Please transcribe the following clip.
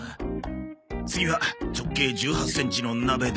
次は「直径１８センチの鍋で」